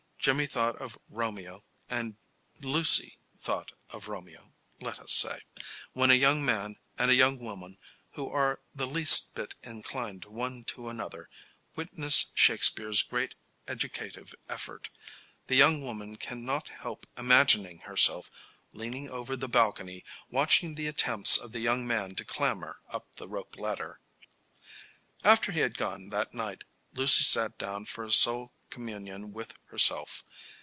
Jimmy thought of Romeo, and Lucy thought of Romeo, let us say. When a young man and a young woman, who are the least bit inclined one to another, witness Shakespeare's great educative effort, the young woman can not help imagining herself leaning over the balcony watching the attempts of the young man to clamber up the rope ladder. After he had gone that night, Lucy sat down for a soul communion with herself.